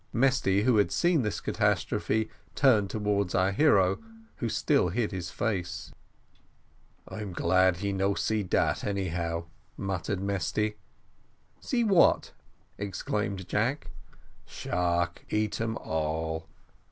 Mesty, who had seen this catastrophe, turned towards our hero, who still hid his face. "I'm glad he no see dat, anyhow," muttered Mesty. "See what?" exclaimed Jack. "Shark eat 'em all."